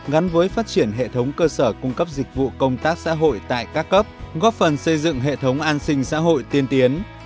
gắn với phát triển hệ thống cơ sở cung cấp dịch vụ công tác xã hội tại các cấp góp phần xây dựng hệ thống an sinh xã hội tiên tiến